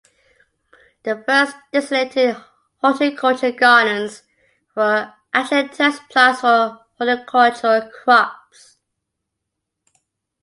The first designated horticulture gardens were actually test plots for horticultural crops.